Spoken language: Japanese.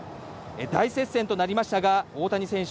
大接戦となりましたが、大谷選手